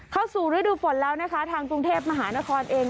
เข้าสู่ฤดูฝนแล้วนะคะทางกรุงเทพมหานครเอง